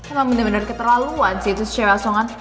emang bener bener keterlaluan sih itu cewek songan